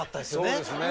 そうですね。